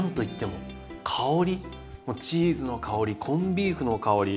もうチーズの香りコンビーフの香り。